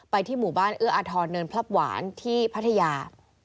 ที่หมู่บ้านเอื้ออาทรเนินพลับหวานที่พัทยา